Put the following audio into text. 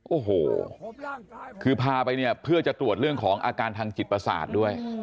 โอ้โหคือพาไปเนี่ยเพื่อจะตรวจเรื่องของอาการทางจิตประสาทด้วย